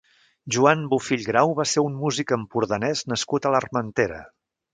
Joan Bofill Grau va ser un músic empordanès nascut a l'Armentera.